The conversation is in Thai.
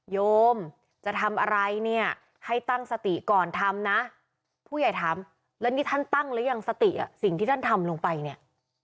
โยมจะทำอะไรเนี่ยให้ตั้งสติก่อนทำนะผู้ใหญ่ถามแล้วนี่ท่านตั้งหรือยังสติอ่ะสิ่งที่ท่านทำลงไปเนี่ย